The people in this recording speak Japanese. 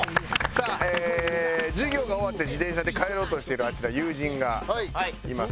さあ授業が終わって自転車で帰ろうとしてるあちら友人がいます。